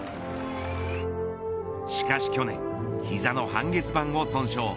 しかし去年膝の半月板を損傷。